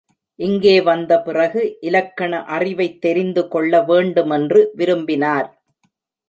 இங்கே வந்த பிறகு இலக்கண அறிவைத் தெரிந்து கொள்ள வேண்டுமென்று விரும்பினார்.